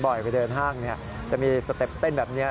ไปเดินห้างจะมีสเต็ปเต้นแบบนี้